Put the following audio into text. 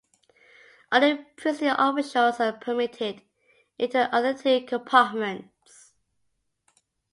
Only priestly officials are permitted into the other two compartments.